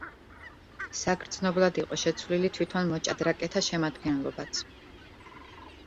საგრძნობლად იყო შეცვლილი თვითონ მოჭადრაკეთა შემადგენლობაც.